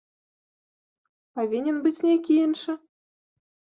Павінен быць нейкі іншы?